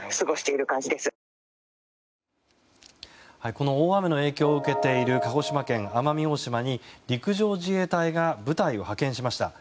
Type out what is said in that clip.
この大雨の影響を受けている鹿児島県奄美大島に陸上自衛隊が部隊を派遣しました。